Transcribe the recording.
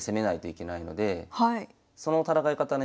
その戦い方ね